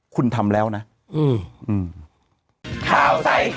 คุณทำแล้วนะ